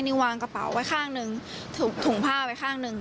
งั้นวางกระเป๋าไว้ข้างนึงถุงผ้าไว้ข้างนึง